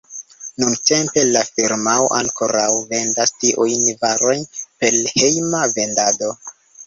Nuntempe la firmao ankoraŭ vendas tiujn varojn per hejma vendado.